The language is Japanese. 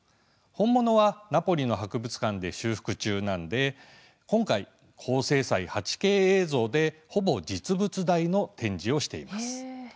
本物はナポリの博物館で修復中なので今回、高精細８Ｋ映像でほぼ実物大の展示をしています。